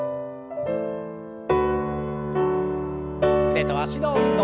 腕と脚の運動。